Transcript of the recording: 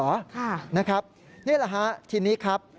ค่ะนะครับนี่แหละครับทีนี้ครับ